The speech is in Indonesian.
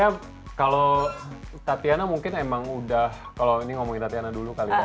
ya kalau tatiana mungkin emang udah kalau ini ngomongin tatiana dulu kali ya